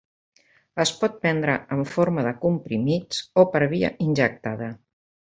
Es pot prendre en forma de comprimits, o per via injectada.